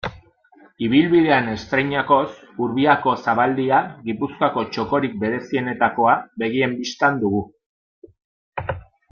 Ibilbidean estreinakoz, Urbiako zabaldia, Gipuzkoako txokorik berezienetakoa, begien bistan dugu.